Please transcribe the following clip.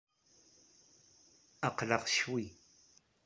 Aql-aɣ ccwi.